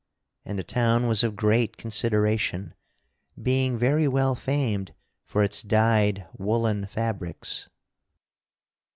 And the town was of great consideration, being very well famed for its dyed woollen fabrics.